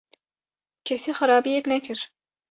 - Kesî xerabiyek nekir.